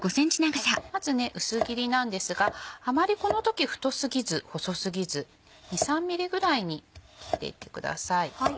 まず薄切りなんですがあまりこの時太過ぎず細過ぎず２３ｍｍぐらいに切っていってください。